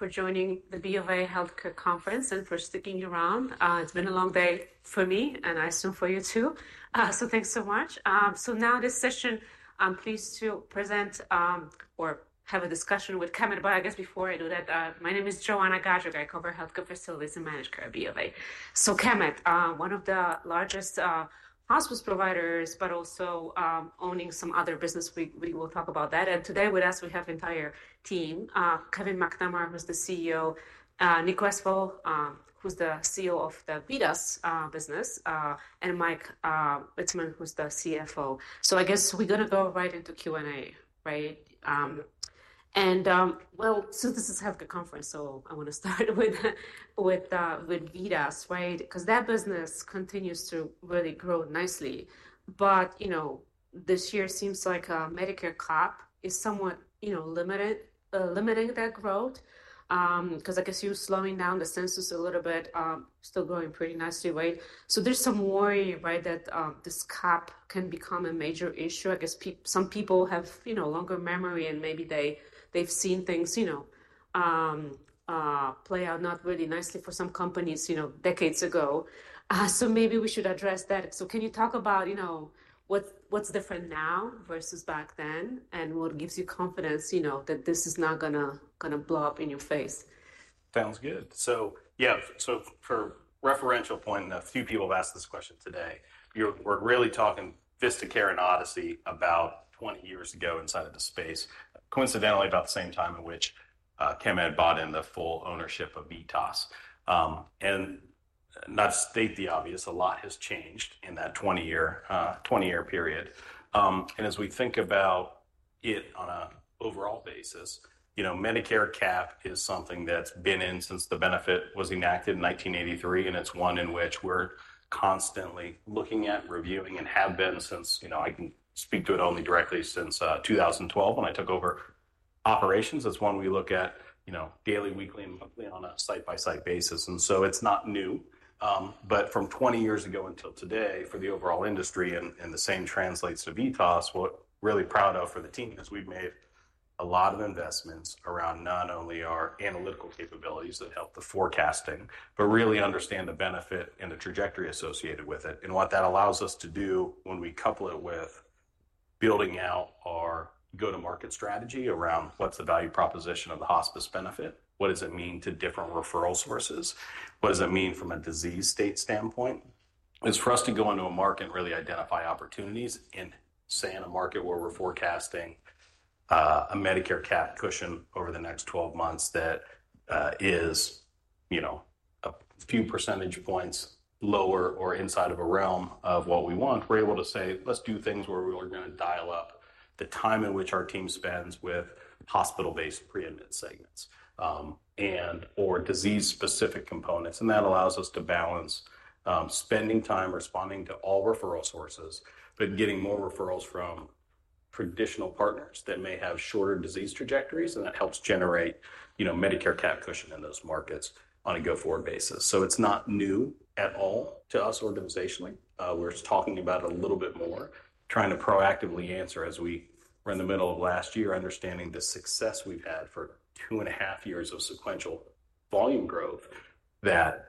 Thank you for joining the B of A Healthcare Conference and for sticking around. It's been a long day for me, and I assume for you too. Thanks so much. Now this session, I'm pleased to present or have a discussion with Chemed. I guess before I do that, my name is Joanna Gajuk. I cover healthcare facilities and managed care at B of A. Chemed, one of the largest hospice providers, but also owning some other business. We will talk about that. Today with us, we have the entire team. Kevin McNamara, who's the CEO; Nicholas Westfall, who's the CEO of the VITAS business; and Mike Witzeman, who's the CFO. I guess we're going to go right into Q&A, right? Since this is a healthcare conference, I want to start with VITAS, right? Because that business continues to really grow nicely. This year seems like Medicare cap is somewhat limiting that growth. I guess you're slowing down the census a little bit, still growing pretty nicely, right? There's some worry, right, that this cap can become a major issue. I guess some people have longer memory, and maybe they've seen things play out not really nicely for some companies decades ago. Maybe we should address that. Can you talk about what's different now versus back then, and what gives you confidence that this is not going to blow up in your face? Sounds good. Yeah, for referential point, a few people have asked this question today. We're really talking Vistacare and Odyssey about 20 years ago inside of the space, coincidentally about the same time in which Chemed bought in the full ownership of VITAS. Not to state the obvious, a lot has changed in that 20-year period. As we think about it on an overall basis, Medicare cap is something that's been in since the benefit was enacted in 1983, and it's one in which we're constantly looking at, reviewing, and have been since I can speak to it only directly since 2012 when I took over operations. It's one we look at daily, weekly, and monthly on a site-by-site basis. It's not new. From 20 years ago until today for the overall industry, and the same translates to VITAS, what we're really proud of for the team is we've made a lot of investments around not only our analytical capabilities that help the forecasting, but really understand the benefit and the trajectory associated with it. What that allows us to do when we couple it with building out our go-to-market strategy around what's the value proposition of the hospice benefit? What does it mean to different referral sources? What does it mean from a disease state standpoint? It's for us to go into a market and really identify opportunities. In a market where we're forecasting a Medicare cap cushion over the next 12 months that is a few percentage points lower or inside of a realm of what we want, we're able to say, "Let's do things where we're going to dial up the time in which our team spends with hospital-based pre-admitted segments and/or disease-specific components." That allows us to balance spending time responding to all referral sources, but getting more referrals from traditional partners that may have shorter disease trajectories. That helps generate Medicare cap cushion in those markets on a go-forward basis. It is not new at all to us organizationally. We're just talking about it a little bit more, trying to proactively answer as we were in the middle of last year, understanding the success we've had for two and a half years of sequential volume growth that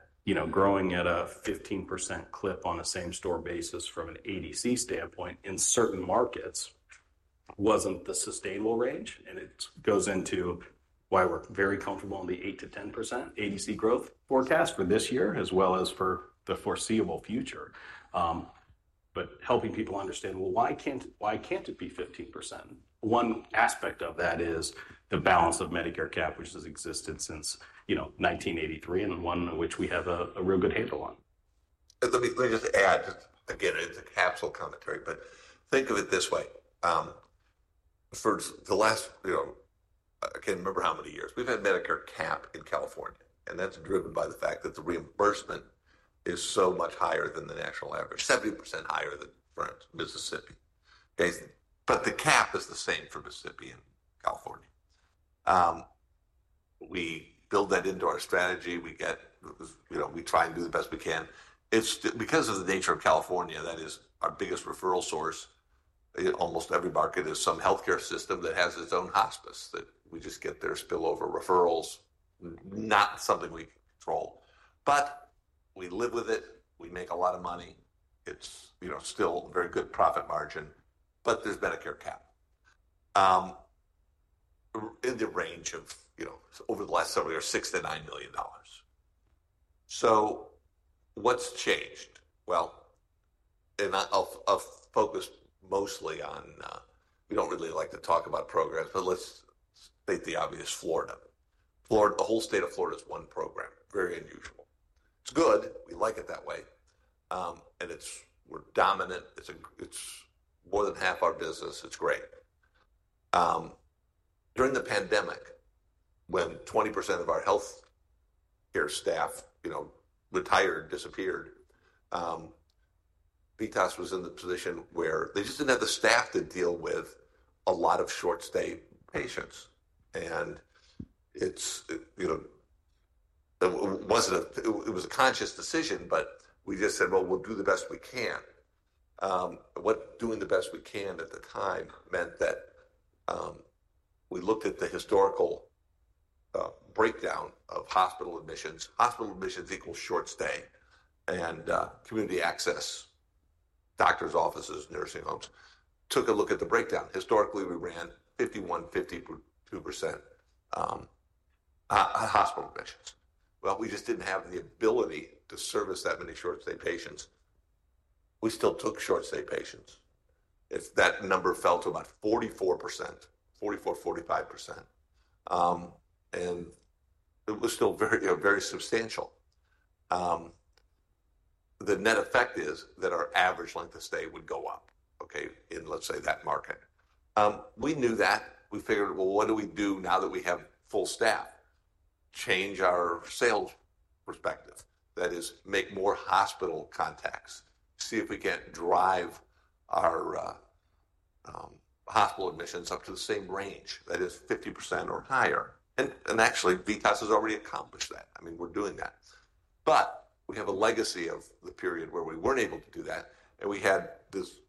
growing at a 15% clip on a same-store basis from an ADC standpoint in certain markets wasn't the sustainable range. It goes into why we're very comfortable on the 8-10% ADC growth forecast for this year as well as for the foreseeable future. Helping people understand, well, why can't it be 15%? One aspect of that is the balance of Medicare cap, which has existed since 1983, and one in which we have a real good handle on. Let me just add, again, it's a capsule commentary, but think of it this way. For the last, I can't remember how many years, we've had Medicare cap in California. That's driven by the fact that the reimbursement is so much higher than the national average, 70% higher than for Mississippi. The cap is the same for Mississippi and California. We build that into our strategy. We try and do the best we can. Because of the nature of California, that is our biggest referral source. Almost every market is some healthcare system that has its own hospice that we just get their spillover referrals, not something we can control. We live with it. We make a lot of money. It's still a very good profit margin. There's Medicare cap in the range of, over the last several years, $6 million-$9 million. So what's changed? I'll focus mostly on, we don't really like to talk about programs, but let's state the obvious, Florida. The whole state of Florida is one program, very unusual. It's good. We like it that way. We're dominant. It's more than half our business. It's great. During the pandemic, when 20% of our healthcare staff retired, disappeared, VITAS was in the position where they just didn't have the staff to deal with a lot of short-stay patients. It wasn't a, it was a conscious decision, but we just said, "Well, we'll do the best we can." What doing the best we can at the time meant that we looked at the historical breakdown of hospital admissions. Hospital admissions equals short stay. And community access, doctors' offices, nursing homes, took a look at the breakdown. Historically, we ran 51%-52% hospital admissions. We just did not have the ability to service that many short-stay patients. We still took short-stay patients. That number fell to about 44%, 44%, 45%. It was still very substantial. The net effect is that our average length of stay would go up, okay, in, let's say, that market. We knew that. We figured, what do we do now that we have full staff? Change our sales perspective. That is, make more hospital contacts. See if we cannot drive our hospital admissions up to the same range. That is, 50% or higher. Actually, VITAS has already accomplished that. I mean, we are doing that. We have a legacy of the period where we were not able to do that. We had this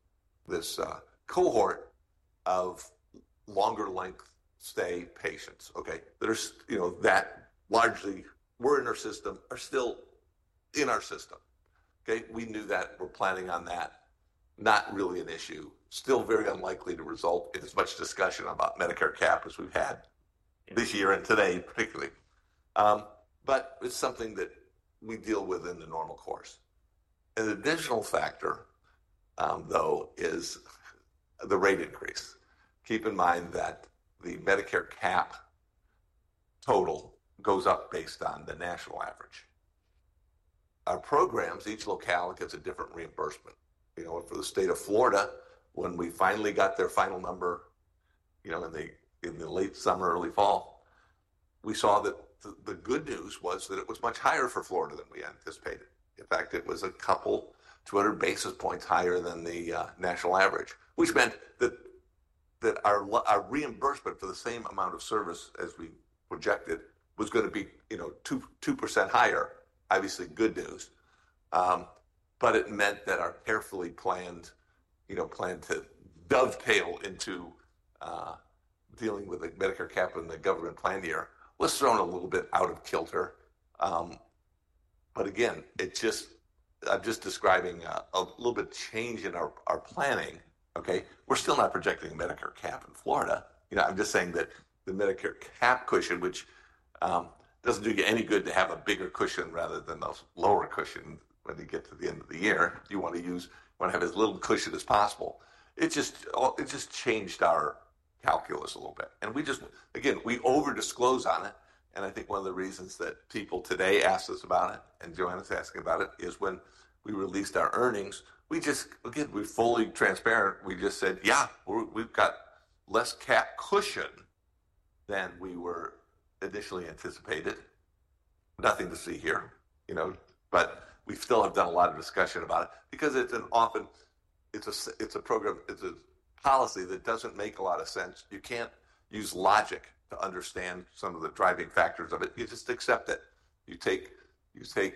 cohort of longer length stay patients, okay, that largely were in our system, are still in our system. Okay? We knew that. We're planning on that. Not really an issue. Still very unlikely to result in as much discussion about Medicare cap as we've had this year and today, particularly. It's something that we deal with in the normal course. An additional factor, though, is the rate increase. Keep in mind that the Medicare cap total goes up based on the national average. Our programs, each locale gets a different reimbursement. For the state of Florida, when we finally got their final number in the late summer, early fall, we saw that the good news was that it was much higher for Florida than we anticipated. In fact, it was a couple, 200 basis points higher than the national average, which meant that our reimbursement for the same amount of service as we projected was going to be 2% higher. Obviously, good news. It meant that our carefully planned plan to dovetail into dealing with the Medicare cap in the government plan year was thrown a little bit out of kilter. Again, I'm just describing a little bit of change in our planning, okay? We're still not projecting Medicare cap in Florida. I'm just saying that the Medicare cap cushion, which does not do you any good to have a bigger cushion rather than those lower cushions when you get to the end of the year. You want to use one that has as little cushion as possible. It just changed our calculus a little bit. Again, we over-disclose on it. I think one of the reasons that people today asked us about it and Joanna's asking about it is when we released our earnings, again, we're fully transparent. We just said, "Yeah, we've got less cap cushion than we were initially anticipated." Nothing to see here. We still have done a lot of discussion about it because it's an often, it's a program, it's a policy that doesn't make a lot of sense. You can't use logic to understand some of the driving factors of it. You just accept it. You take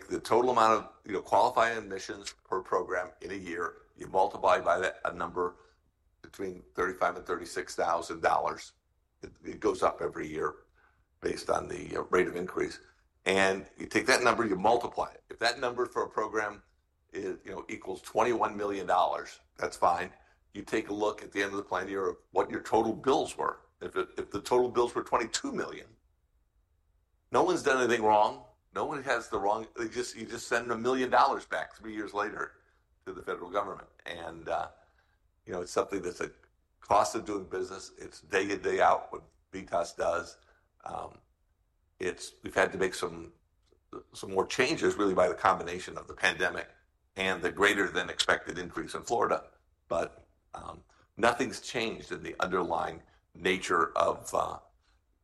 the total amount of qualified admissions per program in a year. You multiply by a number between $35,000 and $36,000. It goes up every year based on the rate of increase. You take that number, you multiply it. If that number for a program equals $21 million, that's fine. You take a look at the end of the plan year of what your total bills were. If the total bills were $22 million, no one's done anything wrong. No one has the wrong. You just send a million dollars back three years later to the federal government. It is something that is a cost of doing business. It is day in, day out what VITAS does. We have had to make some more changes really by the combination of the pandemic and the greater than expected increase in Florida. Nothing has changed in the underlying nature of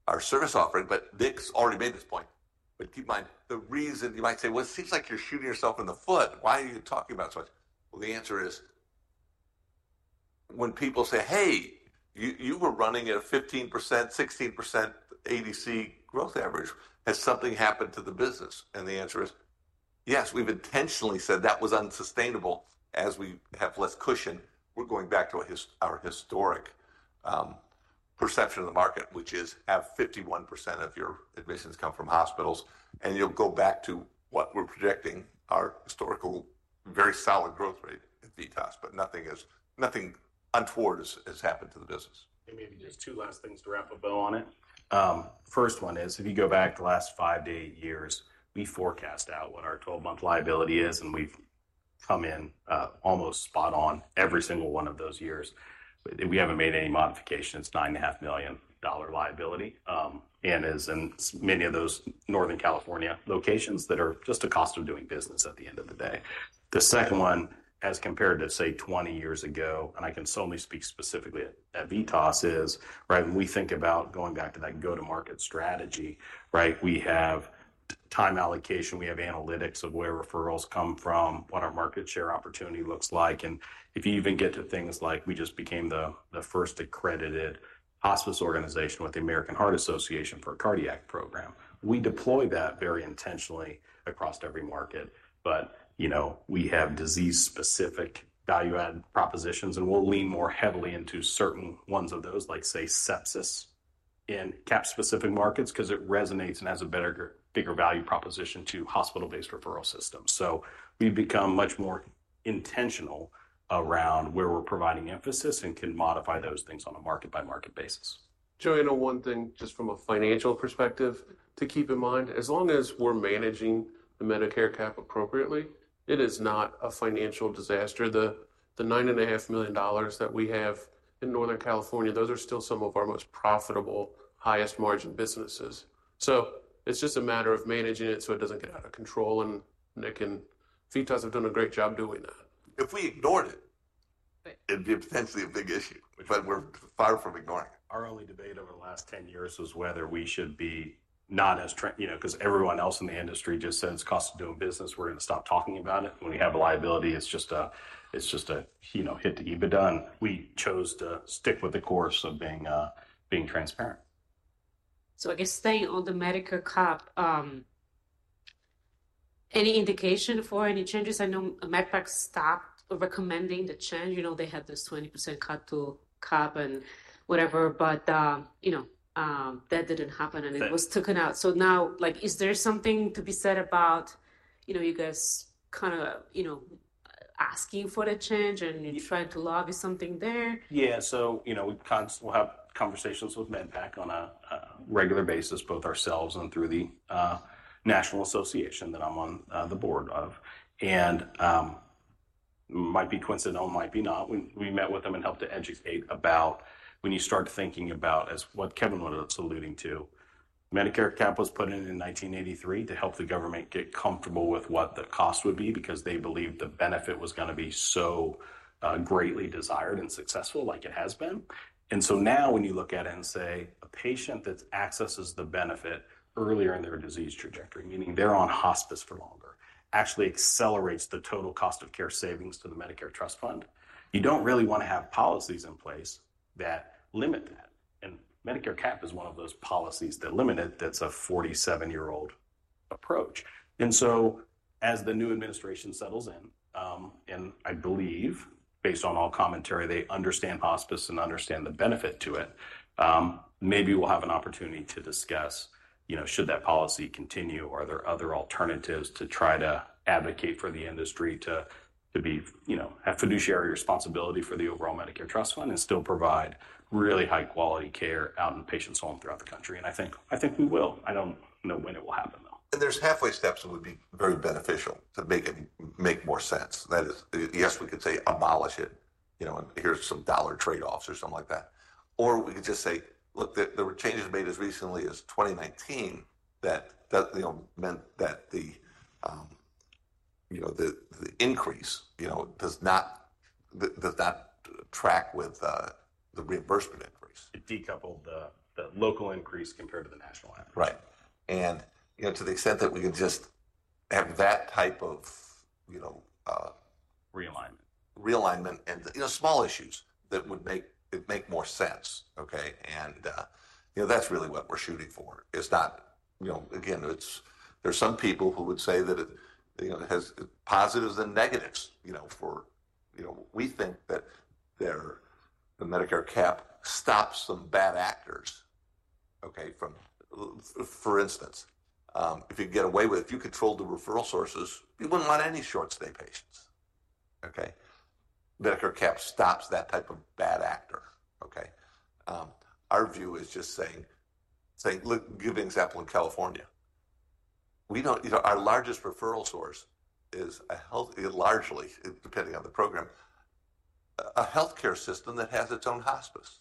our service offering. Nick has already made this point. Keep in mind, the reason you might say, "It seems like you are shooting yourself in the foot. Why are you talking about so much?" The answer is when people say, "Hey, you were running at a 15%-16% ADC growth average. Has something happened to the business?" The answer is, "Yes, we've intentionally said that was unsustainable as we have less cushion." We're going back to our historic perception of the market, which is have 51% of your admissions come from hospitals. You'll go back to what we're projecting our historical very solid growth rate at VITAS. Nothing untoward has happened to the business. Maybe just two last things to wrap a bow on it. First one is if you go back the last five to eight years, we forecast out what our 12-month liability is. And we've come in almost spot on every single one of those years. We haven't made any modifications. It's a $9.5 million liability. And as in many of those Northern California locations that are just a cost of doing business at the end of the day. The second one, as compared to say 20 years ago, and I can solely speak specifically at VITAS, is when we think about going back to that go-to-market strategy, right? We have time allocation. We have analytics of where referrals come from, what our market share opportunity looks like. If you even get to things like we just became the first accredited hospice organization with the American Heart Association for a cardiac program. We deploy that very intentionally across every market. We have disease-specific value-add propositions. We'll lean more heavily into certain ones of those, like say sepsis in cap-specific markets because it resonates and has a better, bigger value proposition to hospital-based referral systems. We have become much more intentional around where we're providing emphasis and can modify those things on a market-by-market basis. Joanna, one thing just from a financial perspective to keep in mind. As long as we're managing the Medicare cap appropriately, it is not a financial disaster. The $9.5 million that we have in Northern California, those are still some of our most profitable, highest-margin businesses. It is just a matter of managing it so it does not get out of control. VITAS has done a great job doing that. If we ignored it, it'd be potentially a big issue. We are far from ignoring it. Our only debate over the last 10 years was whether we should be not as, because everyone else in the industry just says cost of doing business, we're going to stop talking about it. When we have a liability, it's just a hit to EBITDA. And we chose to stick with the course of being transparent. I guess staying on the Medicare cap, any indication for any changes? I know MedPAC stopped recommending the change. They had this 20% cut to cap and whatever. That did not happen. It was taken out. Now, is there something to be said about you guys kind of asking for the change and you're trying to lobby something there? Yeah. We have conversations with MedPAC on a regular basis, both ourselves and through the National Association that I'm on the board of. It might be coincidental, might be not. We met with them and helped to educate about when you start thinking about what Kevin was alluding to. Medicare cap was put in in 1983 to help the government get comfortable with what the cost would be because they believed the benefit was going to be so greatly desired and successful like it has been. Now when you look at it and say a patient that accesses the benefit earlier in their disease trajectory, meaning they're on hospice for longer, actually accelerates the total cost of care savings to the Medicare Trust Fund, you don't really want to have policies in place that limit that. Medicare cap is one of those policies that limit it. That is a 47-year-old approach. As the new administration settles in, and I believe based on all commentary, they understand hospice and understand the benefit to it, maybe we will have an opportunity to discuss should that policy continue or are there other alternatives to try to advocate for the industry to have fiduciary responsibility for the overall Medicare Trust Fund and still provide really high-quality care out in patients' home throughout the country. I think we will. I do not know when it will happen, though. There are halfway steps that would be very beneficial to make more sense. That is, yes, we could say abolish it. Here are some dollar trade-offs or something like that. Or we could just say, look, there were changes made as recently as 2019 that meant that the increase does not track with the reimbursement increase. It decoupled the local increase compared to the national average. Right. To the extent that we can just have that type of. Realignment. Realignment and small issues that would make more sense. Okay? That is really what we are shooting for. Again, there are some people who would say that it has positives and negatives, for we think that the Medicare cap stops some bad actors. Okay? For instance, if you get away with, if you controlled the referral sources, you would not want any short-stay patients. Okay? Medicare cap stops that type of bad actor. Okay? Our view is just saying, look, give an example in California. Our largest referral source is a health, largely, depending on the program, a healthcare system that has its own hospice.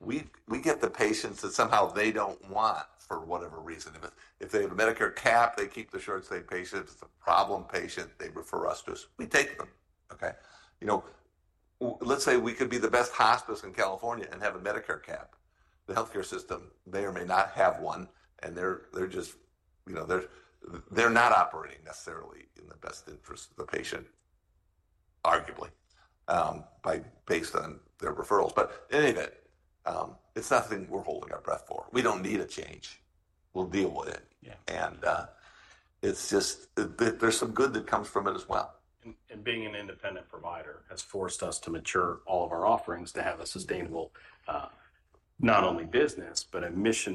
We get the patients that somehow they do not want for whatever reason. If they have a Medicare cap, they keep the short-stay patients. If it is a problem patient, they refer to us. We take them. Okay? Let's say we could be the best hospice in California and have a Medicare cap. The healthcare system may or may not have one. They're not operating necessarily in the best interest of the patient, arguably, based on their referrals. In any event, it's nothing we're holding our breath for. We don't need a change. We'll deal with it. There's some good that comes from it as well. Being an independent provider has forced us to mature all of our offerings to have a sustainable not only business, but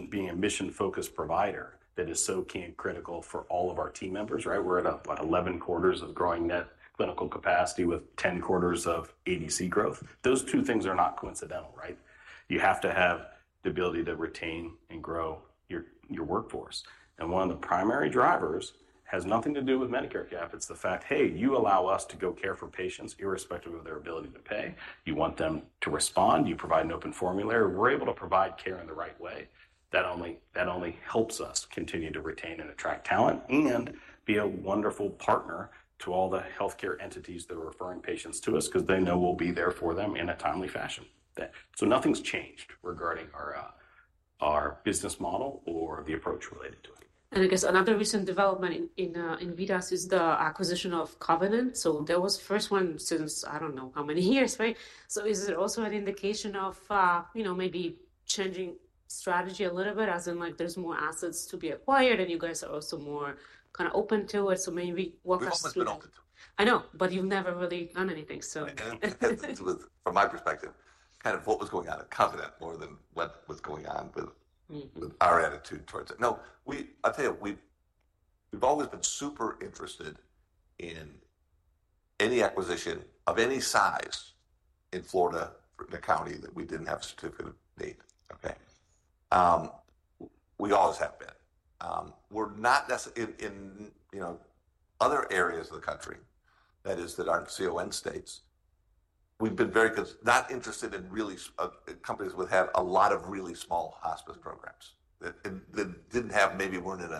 being a mission-focused provider that is so key and critical for all of our team members, right? We're at about 11 quarters of growing net clinical capacity with 10 quarters of ADC growth. Those two things are not coincidental, right? You have to have the ability to retain and grow your workforce. One of the primary drivers has nothing to do with Medicare cap. It's the fact, hey, you allow us to go care for patients irrespective of their ability to pay. You want them to respond. You provide an open formulary. We're able to provide care in the right way. That only helps us continue to retain and attract talent and be a wonderful partner to all the healthcare entities that are referring patients to us because they know we'll be there for them in a timely fashion. Nothing's changed regarding our business model or the approach related to it. I guess another recent development in VITAS is the acquisition of Covenant. That was the first one since, I do not know how many years, right? Is it also an indication of maybe changing strategy a little bit as in there are more assets to be acquired and you guys are also more kind of open to it? Maybe walk us through. I've always been open to it. I know, but you've never really done anything, so. I don't. From my perspective, kind of what was going on at Covenant more than what was going on with our attitude towards it. No, I'll tell you, we've always been super interested in any acquisition of any size in Florida for the county that we didn't have a certificate of need. Okay? We always have been. We're not necessarily in other areas of the country, that is, that aren't CON states, we've been very not interested in really companies that would have a lot of really small hospice programs that didn't have maybe weren't in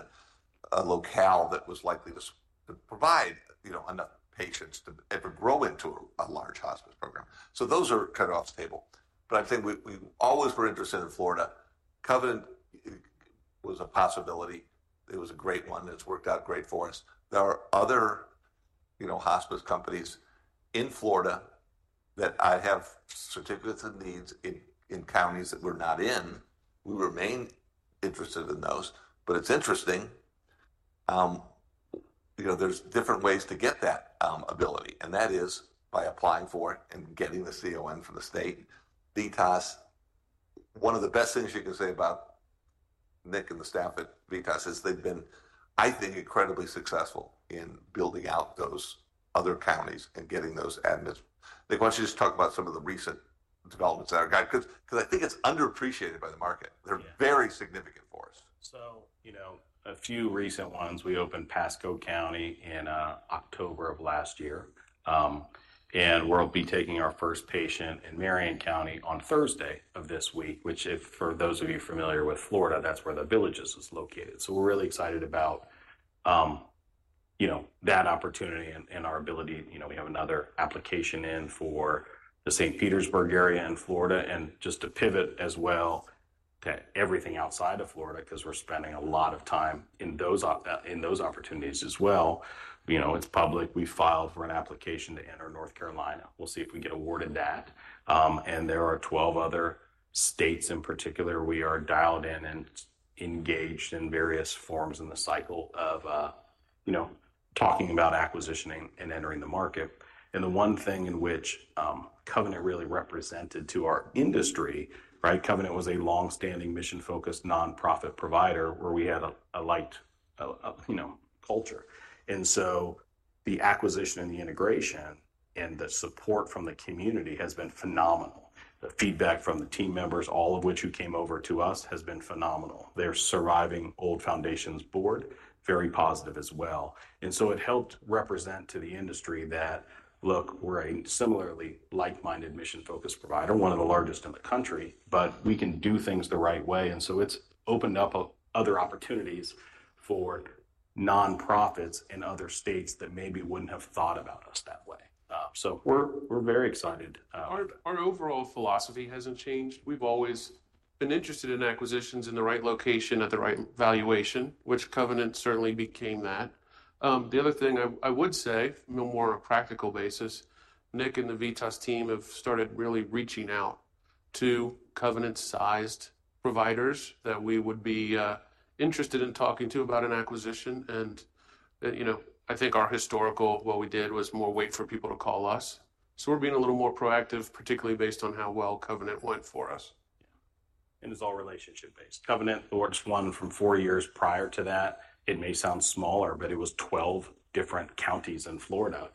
a locale that was likely to provide enough patients to ever grow into a large hospice program. Those are kind of off the table. I think we always were interested in Florida. Covenant was a possibility. It was a great one. It's worked out great for us. There are other hospice companies in Florida that have certificates of need in counties that we're not in. We remain interested in those. It is interesting. There are different ways to get that ability, and that is by applying for it and getting the CON from the state. VITAS, one of the best things you can say about Nick and the staff at VITAS is they've been, I think, incredibly successful in building out those other counties and getting those admins. Nick, why don't you just talk about some of the recent developments that are guided? I think it is underappreciated by the market. They are very significant for us. A few recent ones. We opened Pasco County in October of last year. We'll be taking our first patient in Marion County on Thursday of this week, which for those of you familiar with Florida, that's where The Villages is located. We're really excited about that opportunity and our ability. We have another application in for the St. Petersburg area in Florida. Just to pivot as well to everything outside of Florida because we're spending a lot of time in those opportunities as well. It's public. We filed for an application to enter North Carolina. We'll see if we get awarded that. There are 12 other states in particular. We are dialed in and engaged in various forms in the cycle of talking about acquisitioning and entering the market. The one thing in which Covenant really represented to our industry, right? Covenant was a long-standing mission-focused nonprofit provider where we had a light culture. The acquisition and the integration and the support from the community has been phenomenal. The feedback from the team members, all of which who came over to us, has been phenomenal. Their surviving old foundations board, very positive as well. It helped represent to the industry that, look, we're a similarly like-minded mission-focused provider, one of the largest in the country, but we can do things the right way. It has opened up other opportunities for nonprofits in other states that maybe would not have thought about us that way. We are very excited. Our overall philosophy hasn't changed. We've always been interested in acquisitions in the right location at the right valuation, which Covenant certainly became that. The other thing I would say, more on a practical basis, Nick and the VITAS team have started really reaching out to Covenant-sized providers that we would be interested in talking to about an acquisition. I think our historical, what we did was more wait for people to call us. We are being a little more proactive, particularly based on how well Covenant went for us. Yeah. And it's all relationship-based. Covenant's launched one from four years prior to that. It may sound smaller, but it was 12 different counties in Florida,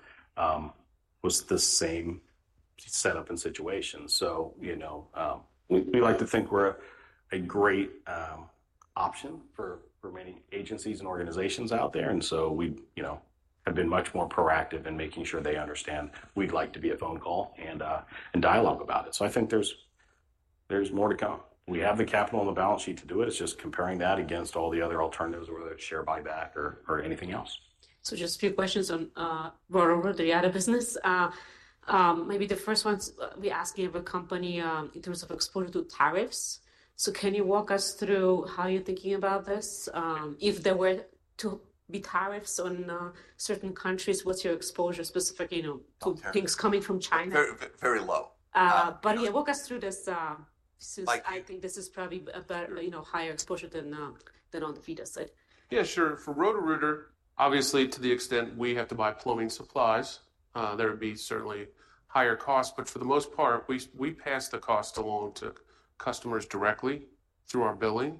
was the same setup and situation. We like to think we're a great option for many agencies and organizations out there. We have been much more proactive in making sure they understand we'd like to be a phone call and dialogue about it. I think there's more to come. We have the capital on the balance sheet to do it. It's just comparing that against all the other alternatives, whether it's share buyback or anything else. Just a few questions on the other business. Maybe the first one, we ask you about company in terms of exposure to tariffs. Can you walk us through how you're thinking about this? If there were to be tariffs on certain countries, what's your exposure specifically to things coming from China? Very low. Yeah, walk us through this. I think this is probably a higher exposure than on the VITAS side. Yeah, sure. For Roto-Rooter, obviously, to the extent we have to buy plumbing supplies, there would be certainly higher costs. For the most part, we pass the cost along to customers directly through our billing.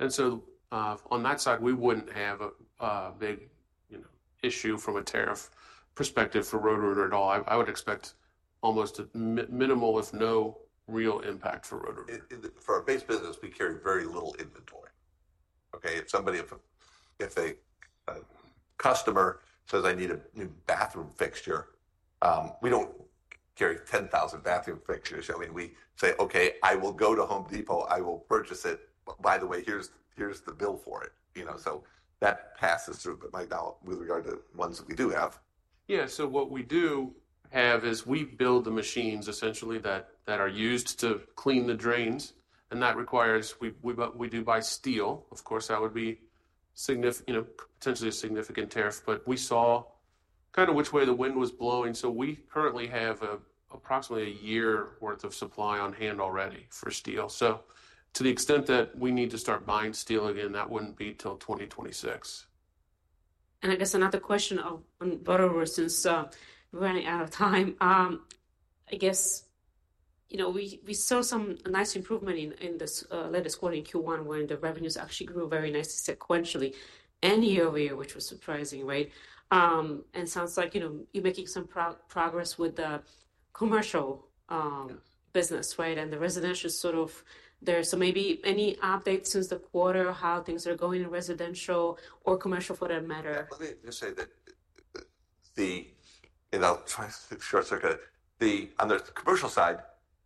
On that side, we would not have a big issue from a tariff perspective for Roto-Rooter at all. I would expect almost minimal, if no real impact for Roto-Rooter. For our base business, we carry very little inventory. Okay? If a customer says, "I need a new bathroom fixture," we do not carry 10,000 bathroom fixtures. I mean, we say, "Okay, I will go to Home Depot. I will purchase it. By the way, here is the bill for it." That passes through with regard to ones that we do have. Yeah. What we do have is we build the machines essentially that are used to clean the drains. That requires we do buy steel. Of course, that would be potentially a significant tariff. We saw kind of which way the wind was blowing. We currently have approximately a year's worth of supply on hand already for steel. To the extent that we need to start buying steel again, that would not be until 2026. I guess another question on Roto-Rooter since we're running out of time. I guess we saw some nice improvement in this latest quarter in Q1 when the revenues actually grew very nicely sequentially and year over year, which was surprising, right? It sounds like you're making some progress with the commercial business, right? The residential sort of there. Maybe any updates since the quarter, how things are going in residential or commercial for that matter? Let me just say that the—and I'll try to short circuit it. On the commercial side,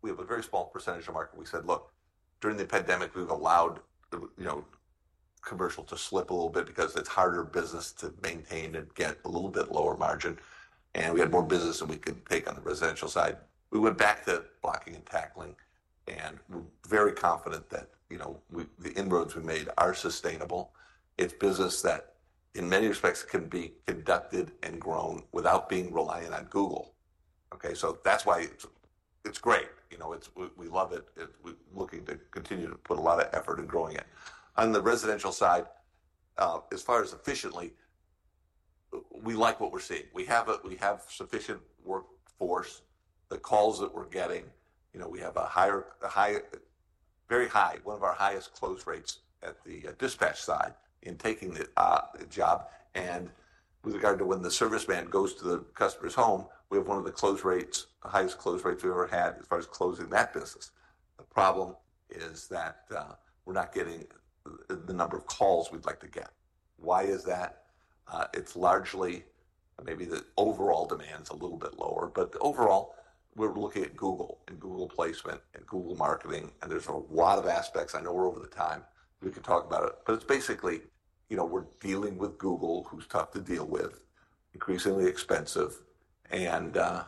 we have a very small percentage of market. We said, "Look, during the pandemic, we've allowed commercial to slip a little bit because it's harder business to maintain and get a little bit lower margin." And we had more business than we could take on the residential side. We went back to blocking and tackling. And we're very confident that the inroads we made are sustainable. It's business that in many respects can be conducted and grown without being reliant on Google. Okay? That's why it's great. We love it. We're looking to continue to put a lot of effort in growing it. On the residential side, as far as efficiently, we like what we're seeing. We have sufficient workforce. The calls that we're getting, we have a very high, one of our highest close rates at the dispatch side in taking the job. With regard to when the service van goes to the customer's home, we have one of the highest close rates we've ever had as far as closing that business. The problem is that we're not getting the number of calls we'd like to get. Why is that? It's largely maybe the overall demand is a little bit lower. Overall, we're looking at Google and Google placement and Google marketing. There are a lot of aspects. I know we're over the time. We can talk about it. It's basically we're dealing with Google, who's tough to deal with, increasingly expensive. The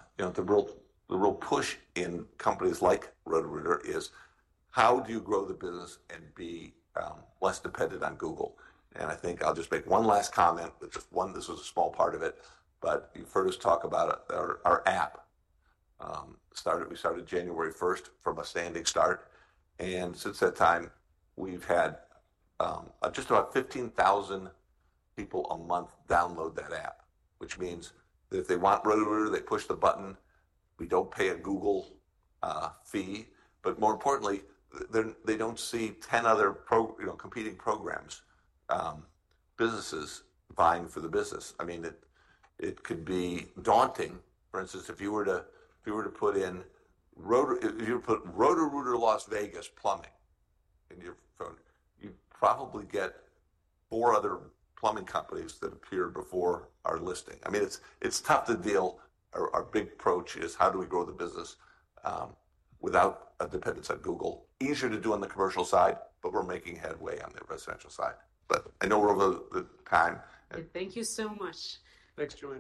real push in companies like Roto-Rooter is how do you grow the business and be less dependent on Google? I think I'll just make one last comment. This was a small part of it. You've heard us talk about our app. We started January 1 from a standing start. Since that time, we've had just about 15,000 people a month download that app, which means that if they want Roto-Rooter, they push the button. We don't pay a Google fee. More importantly, they don't see 10 other competing businesses vying for the business. I mean, it could be daunting. For instance, if you were to put in Roto-Rooter Las Vegas plumbing in your phone, you'd probably get four other plumbing companies that appear before our listing. I mean, it's tough to deal. Our big approach is how do we grow the business without a dependence on Google? Easier to do on the commercial side, but we're making headway on the residential side. I know we're over the time. Thank you so much. Thanks, Joe.